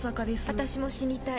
「私も死にたい。